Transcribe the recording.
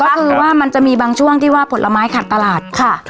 ก็คือว่ามันจะมีบางช่วงที่ว่าผลไม้ขาดตลาดค่ะ